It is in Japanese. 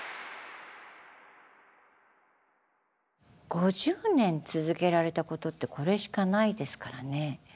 ５０年続けられたことってこれしかないですからね。